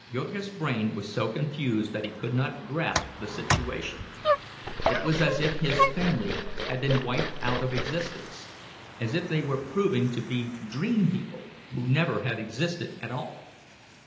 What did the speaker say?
Jurgis' brain was so confused that he could not grasp the situation. It was as if his family had been wiped out of existence; as if they were proving to be dream people, who never had existed at all.